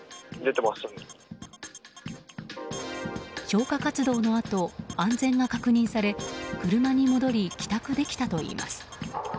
消火活動のあと安全が確認され車に戻り帰宅できたといいます。